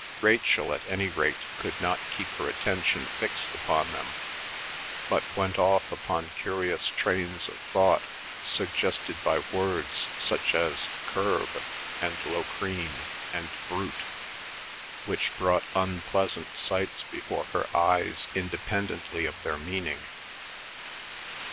Rachel at any rate could not keep her attention fixed upon them, but went off upon curious trains of thought suggested by words such as "curb" and "Locrine" and "Brute," which brought unpleasant sights before her eyes, independently of their meaning.